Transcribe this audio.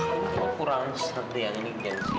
wih kurang serde yang ini gensi